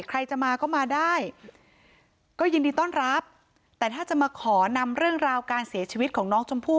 ใครจะมาก็มาได้ก็ยินดีต้อนรับแต่ถ้าจะมาขอนำเรื่องราวการเสียชีวิตของน้องชมพู่